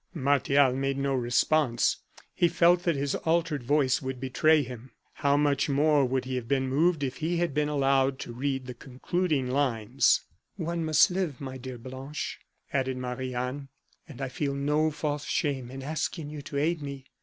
Martial made no response. He felt that his altered voice would betray him. How much more would he have been moved, if he had been allowed to read the concluding lines: "One must live, my dear Blanche!" added Marie Anne, "and I feel no false shame in asking you to aid me.